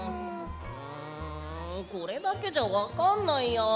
んこれだけじゃわかんないや。